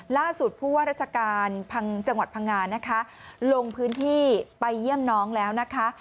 ผู้ว่าราชการจังหวัดพังงานะคะลงพื้นที่ไปเยี่ยมน้องแล้วนะคะ